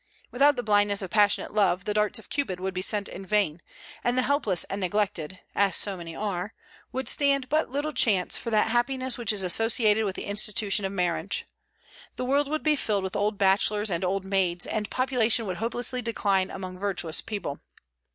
Without the blindness of passionate love the darts of Cupid would be sent in vain; and the helpless and neglected as so many are would stand but little chance for that happiness which is associated with the institution of marriage. The world would be filled with old bachelors and old maids, and population would hopelessly decline among virtuous people.